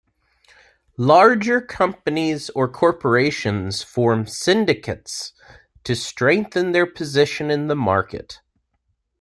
Larger companies or corporations form syndicates to strengthen their position in the market.